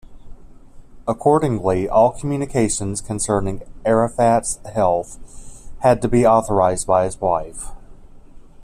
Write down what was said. Accordingly, all communications concerning Arafat's health had to be authorized by his wife.